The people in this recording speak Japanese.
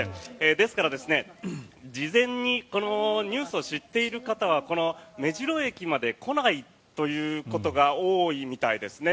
ですから、事前にこのニュースを知っている方は目白駅まで来ないということが多いみたいですね。